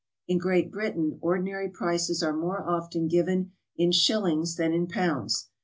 In Great Britain ordinary prices are more often given in shillings than in pounds.